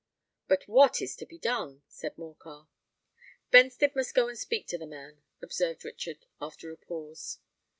"But what is to be done?" said Morcar. "Benstead must go and speak to the man," observed Richard, after a pause.